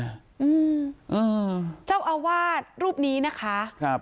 อืมเจ้าอาวาสรูปนี้นะคะครับ